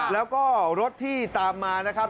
แล้วก็รถที่ตามมานะครับ